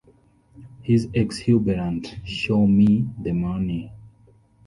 His exuberant Show me the money!